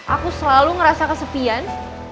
aku selalu ngerasa kesepian